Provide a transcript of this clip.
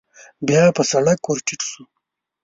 بيا په سړک ور ټيټ شو.